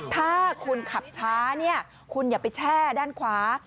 ถ้าคุณขับช้าเนี่ยคุณอย่าไปแช่ด้านขวา